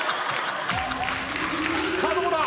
さあどうだ